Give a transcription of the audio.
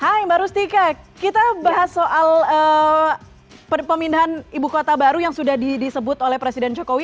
hai mbak rustika kita bahas soal pemindahan ibu kota baru yang sudah disebut oleh presiden jokowi